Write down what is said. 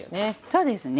そうですね。